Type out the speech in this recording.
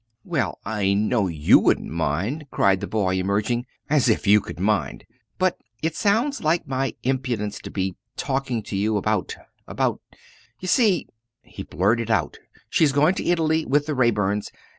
"Well, I know you won't mind!" cried the lad, emerging. "As if you could mind! But it sounds like my impudence to be talking to you about about You see," he blurted out, "she's going to Italy with the Raeburns.